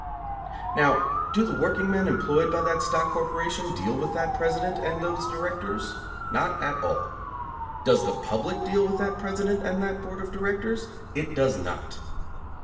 Now, do the workingmen employed by that stock corporation deal with that president and those directors? Not at all. Does the public deal with that president and that board of directors? It does not.